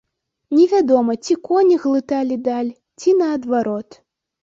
Невядома, ці коні глыталі даль, ці наадварот.